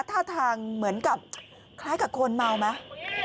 ท่าทางเหมือนกับคล้ายกับคนเมาไหม